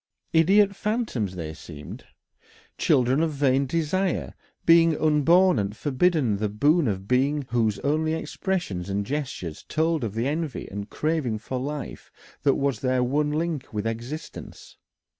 Idiot phantoms, they seemed, children of vain desire, beings unborn and forbidden the boon of being, whose only expressions and gestures told of the envy and craving for life that was their one link with existence.